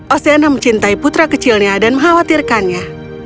oceana mencintai putra kecilnya dan mengkhawatirkannya